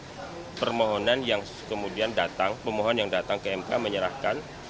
jadi permohonan yang kemudian datang pemohon yang datang ke mk menyerahkan